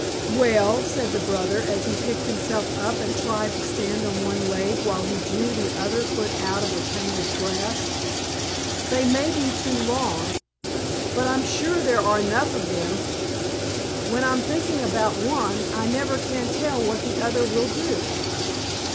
"Well," said the brother, as he picked himself up and tried to stand on one leg while he drew the other foot out of the tangled grass, "they may be too long, but I'm sure there are enough of them. When I'm thinking about one, I never can tell what the other will do."